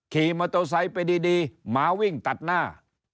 ขี่มอเตอร์ไซค์ไปดีหมาวิ่งตัดหน้า